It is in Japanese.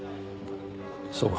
そうか。